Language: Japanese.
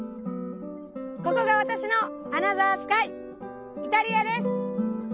ここが私のアナザースカイイタリアです！